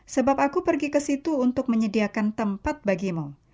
sebab aku pergi ke situ untuk menyediakan tempat bagimu